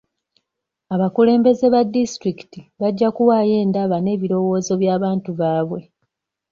Abakulembeze ba disitulikiti bajja kuwaayo endaba n'ebirowoozo by'abantu baabwe.